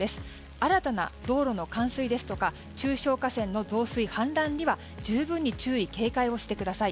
新たな道路の冠水ですとか中小河川の増水・氾濫には十分に注意・警戒をしてください。